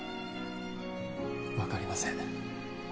分かりません。